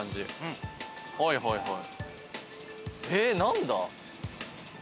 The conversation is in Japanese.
あはいはいはい。